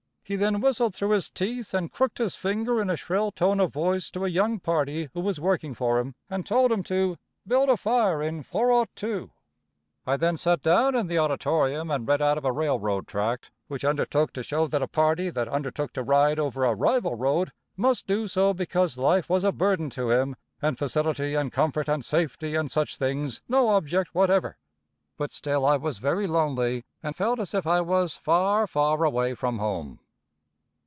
He then whistled through his teeth and crooked his finger in a shrill tone of voice to a young party who was working for him, and told him to "build a fire in four ought two." I then sat down in the auditorium and read out of a railroad tract, which undertook to show that a party that undertook to ride over a rival road, must do so because life was a burden to him, and facility, and comfort, and safety, and such things no object whatever. But still I was very lonely, and felt as if I was far, far away from home.